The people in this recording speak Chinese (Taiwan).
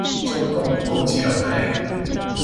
中共共機繞台